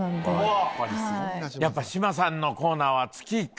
やっぱ志麻さんのコーナーは。